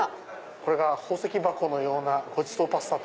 これが「宝石箱のようなご馳走パスタ」。